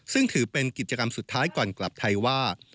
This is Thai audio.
ซึ่งถือเป็นกิจกรรมสุดท้ายก่อนกลับไทยว่า